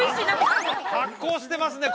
発酵してますね